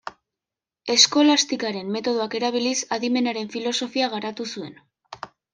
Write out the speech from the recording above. Eskolastikaren metodoak erabiliz, adimenaren filosofia garatu zuen.